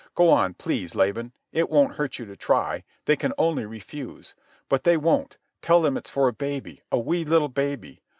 Go on, please, Laban. It won't hurt you to try. They can only refuse. But they won't. Tell them it's for a baby, a wee little baby.